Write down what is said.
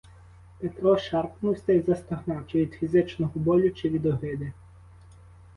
Петро шарпнувся й застогнав, чи від фізичного болю, чи від огиди.